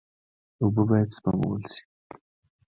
اوبه باید سپمول شي.